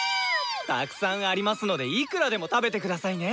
たくさんありますのでいくらでも食べて下さいね！